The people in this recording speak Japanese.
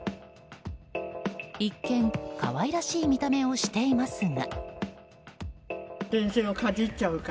一見、可愛らしい見た目をしていますが。